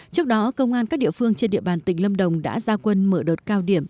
trước đó công an các địa phương trên địa bàn tỉnh lâm đồng đã ra quân mở đợt cao điểm